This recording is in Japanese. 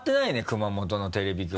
熊本のテレビ局。